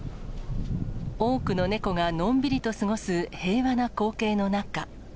多くの猫がのんびりと過ごす平和な光景の中。